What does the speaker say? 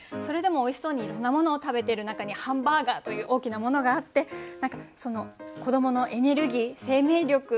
それでもおいしそうにいろんなものを食べている中にハンバーガーという大きなものがあって何かその子どものエネルギー生命力